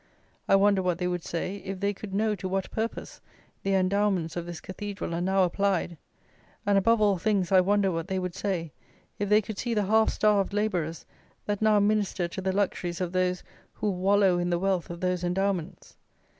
I wonder what they would say, if they could know to what purpose the endowments of this Cathedral are now applied; and above all things, I wonder what they would say, if they could see the half starved labourers that now minister to the luxuries of those who wallow in the wealth of those endowments.